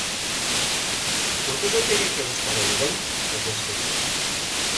Кудыжо тыге келыштарен гын? — йодеш весе.